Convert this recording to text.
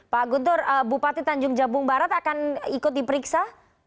pak guntur bupati tanjung jabung barat akan ikut diperiksa